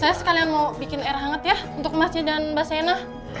saya sekalian mau bikin air hangat ya untuk masnya dan mbak sena